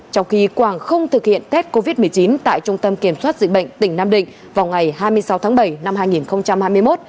trong khi quảng không thực hiện tết covid một mươi chín tại trung tâm kiểm soát dịch bệnh tỉnh nam định vào ngày hai mươi sáu tháng bảy năm hai nghìn hai mươi một